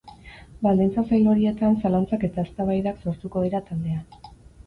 Baldintza zail horietan, zalantzak eta eztabaidak sortuko dira taldean.